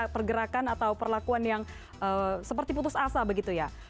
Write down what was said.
pergerakan atau perlakuan yang seperti putus asa begitu ya